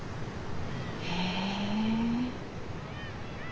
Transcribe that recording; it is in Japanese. へえ。